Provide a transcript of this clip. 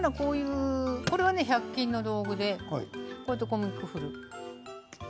これは１００均の道具でこれで小麦粉を振る。